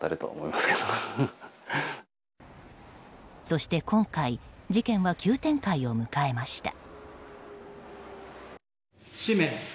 そして今回事件は急展開を迎えました。